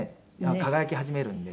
輝き始めるんで。